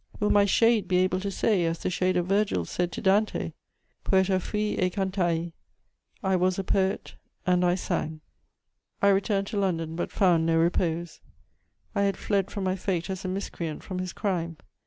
Will my shade be able to say, as the shade of Virgil said to Dante: "Poeta fui e cantai: I was a poet and I sang?" * [Sidenote: I return to London.] I returned to London, but found no repose: I had fled from my fate as a miscreant from his crime.